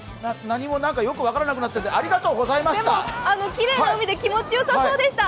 何もよく分からなくなってるんで、ありがとうございました。